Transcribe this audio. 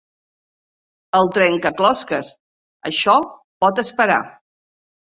El trencaclosques. Això pot esperar.